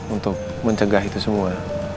untuk mencegah itu semua